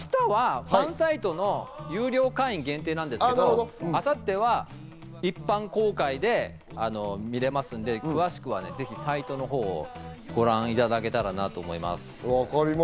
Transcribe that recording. で、明日はファンサイトの有料会員限定なんですけど、明後日は一般公開で見られますので詳しくはぜひサイトのほうをご覧いただけたらなと思います。